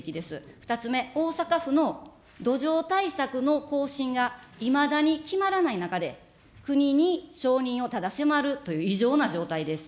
２つ目、大阪府の土壌対策の方針がいまだに決まらない中で、国に承認をただ迫るという異常な状態です。